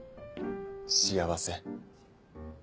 幸せ。